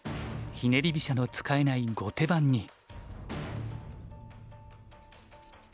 ひねり飛車の使えない後手番に。